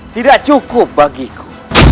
tidak cukup bagiku